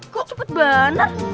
kok cepet banget